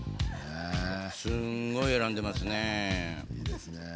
すんごい選んでますね。